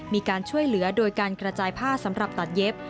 มีการช่วยเหลือโดยการกระจายผ้าสำหรับตัดเย็บ